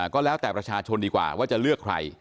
ก็แล้วแต่ประชาชนดีกว่าว่าจะเลือกใคร